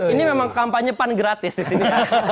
ini memang kampanye pan gratis disini